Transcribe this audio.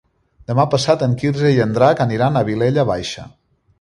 Demà passat en Quirze i en Drac aniran a la Vilella Baixa.